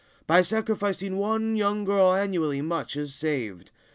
By sacrificing one young girl annually much is saved.